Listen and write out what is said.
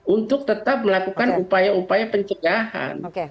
untuk tetap melakukan upaya upaya pencegahan